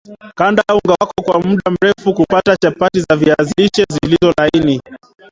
Kanda unga wako kwa mda mrefu kupata chapati za viazi lishe zilizo laini